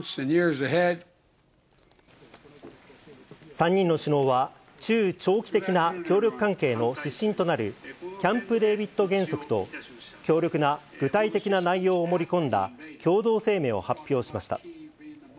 ３人の首脳は、中・長期的な協力関係の指針となる、キャンプデービッド原則と、強力な具体的な内容を盛り込んだ共同声明を発表しました。